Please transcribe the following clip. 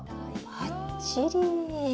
ばっちり！